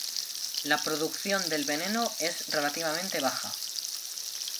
La producción del veneno es relativamente baja.